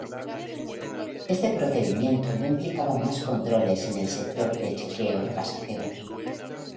Ese procedimiento no implicaba más controles en el sector de chequeo de pasajeros.